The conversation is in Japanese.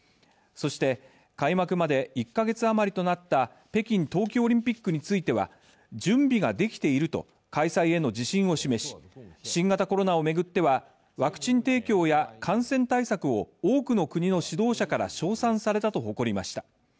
そして開幕まで１カ月あまりとなった北京冬季オリンピックについては準備ができていると開催への自信を示し新型コロナを巡っては、ワクチン提供や感染対策を多くの国の指導者から称賛されたと誇りました。